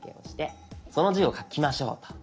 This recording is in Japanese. その字を書きましょうと。